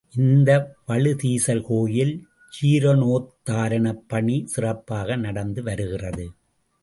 இந்த வழுதீசர் கோயில் ஜீரணோத்தாரணப் பணி சிறப்பாக நடந்து வருகிறது.